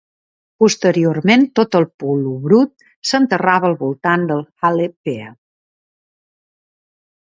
Posteriorment, tot el pulu brut s'enterrava al voltant del hale pea.